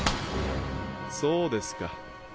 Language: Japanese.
そうですか。